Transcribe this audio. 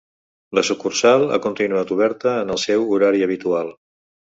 La sucursal ha continuat oberta en el seu horari habitual.